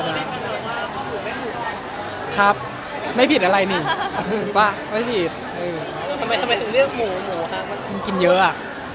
ยิ่งอย่างนั้นมันหรือยิ่งเยอะ